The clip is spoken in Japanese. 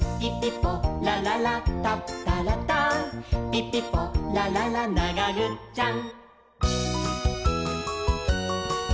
「ピピポラララながぐっちゃん！！」